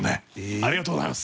ありがとうございます。